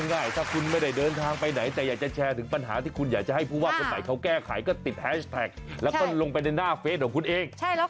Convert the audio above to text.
ง่ายถ้าคุณไม่ได้เดินทางไปไหนแต่อยากจะแชร์ถึงปัญหาที่คุณอยากจะให้ผู้ว่าคนไหนเขาแก้ไขก็ติดแฮชแท็กแล้วก็ลงไปในหน้าเฟสของคุณเอง